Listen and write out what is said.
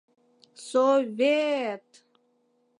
Со-ве-ет!..